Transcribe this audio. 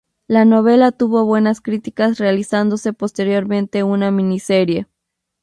La novela tuvo buenas críticas, realizándose posteriormente una miniserie.